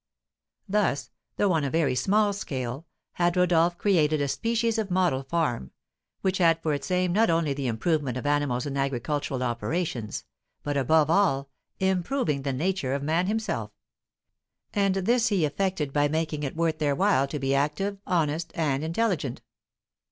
Thus, though on a very small scale, had Rodolph created a species of model farm, which had for its aim not only the improvement of animals and agricultural operations, but, above all, improving the nature of man himself; and this he effected by making it worth their while to be active, honest, and intelligent.